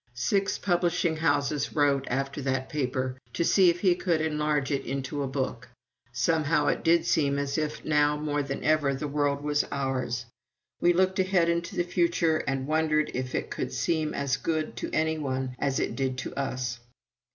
Six publishing houses wrote, after that paper, to see if he could enlarge it into a book. Somehow it did seem as if now more than ever the world was ours. We looked ahead into the future, and wondered if it could seem as good to any one as it did to us.